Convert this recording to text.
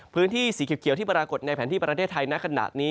พื้นที่สีเขียวที่ปรากฏในแผนที่ประเทศไทยณขณะนี้